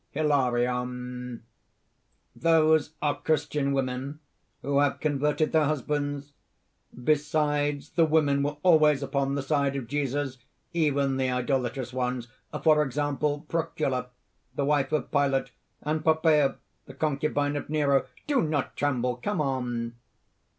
_) HILARION. "Those are Christian women who have converted their husbands. Besides, the women were always upon the side of Jesus, even the idolatrous ones, for example, Procula, the wife of Pilate, and Poppæa, the concubine of Nero. Do not tremble! come on."